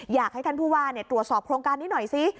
อยากให้ท่านผู้ว่าตรวจสอบโครงการนี้หน่อยซิ